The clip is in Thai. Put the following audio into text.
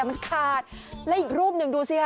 มันขาดและอีกรูปหนึ่งดูสิค่ะ